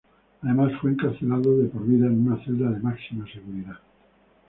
Además fue encarcelado de por vida en una celda de máxima seguridad.